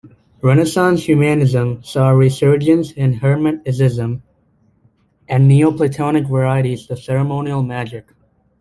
Renaissance humanism saw a resurgence in hermeticism and Neo-Platonic varieties of ceremonial magic.